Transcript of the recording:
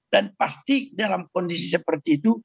dan pasti dalam kondisi seperti itu